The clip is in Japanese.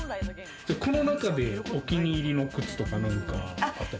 この中でお気に入りの靴とか何かあったり？